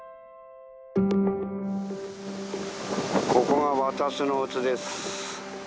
ここが私の家です